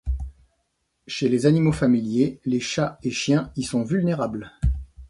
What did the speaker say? Chez les animaux familiers, les chats et chiens y sont vulnérables.